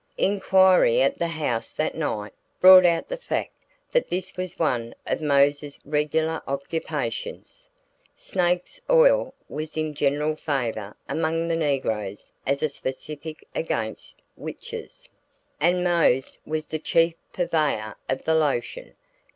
Inquiry at the house that night brought out the fact that this was one of Mose's regular occupations. Snake's oil was in general favor among the negroes as a specific against witches, and Mose was the chief purveyor of the lotion.